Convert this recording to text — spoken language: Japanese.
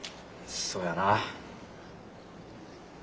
そうやな。